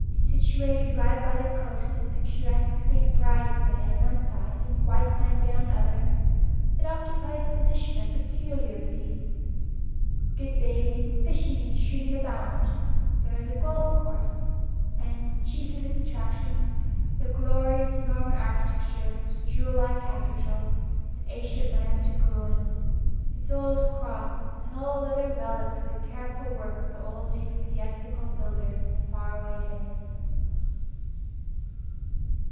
Situated right by the coast of picturesque St. Bride's Bay on one side and Whitesand Bay on the other, it occupies a position of peculiar beauty. Good bathing, fishing and shooting abound; there is a golf course, and, chief of its attractions, the glorious Norman architecture of its jewel like cathedral, its ancient monastic ruins, its old cross and all the other relics of the careful work of the old ecclesiastical builders in the far away days.